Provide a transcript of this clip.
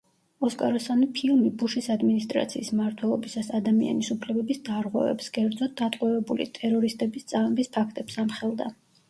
ოსკაროსანი ფილმი, ბუშის ადმინისტრაციის მმართველობისას ადამიანის უფლებების დარღვევებს, კერძოდ დატყვევებული ტერორისტების წამების ფაქტებს ამხელდა.